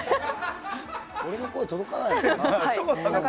俺の声届かないのかな。